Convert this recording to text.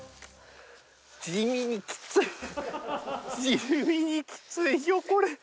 地味にキツいよこれ。